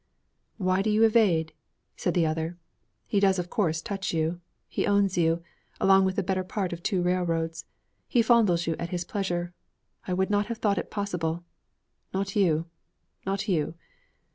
'Why do you evade?' said the other. 'He does of course touch you, he owns you, along with the better part of two railroads. He fondles you at his pleasure. I would not have thought it possible. Not you; not you.'